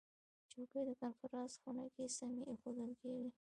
چوکۍ د کنفرانس خونه کې سمې ایښودل کېږي.